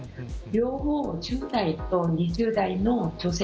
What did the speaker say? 両方１０代と２０代の女性